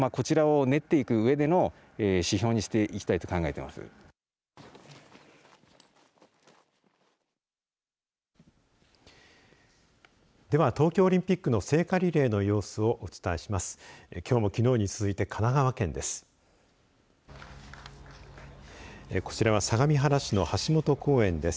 では、東京オリンピックの聖火リレーの様子をお伝えします。